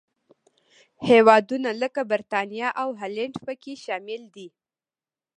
هېوادونه لکه برېټانیا او هالنډ پکې شامل دي.